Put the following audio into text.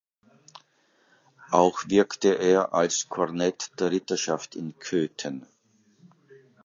Auch wirkte er als Kornett der Ritterschaft in Köthen.